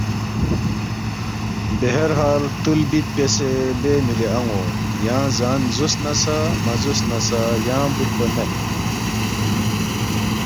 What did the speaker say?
بہرحال فتُول بِد بیاسے لے مِلی ان٘و یانگ زان زوس نہ سہ مہ زوس نہ سہ یانگ بُودپا مید